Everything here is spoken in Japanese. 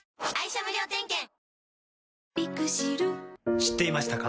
知っていましたか？